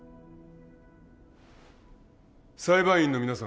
裁判員の皆さん